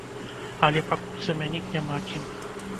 Але пакуль замяніць няма кім.